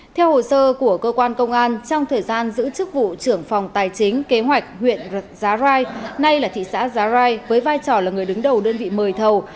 theo hồ sơ của cơ quan công an trong thời gian giữ chức vụ trưởng phòng tài chính kế hoạch huyện giá rai nay là thị xã giá rai với vai trò là người đứng đầu đơn vị mời thầu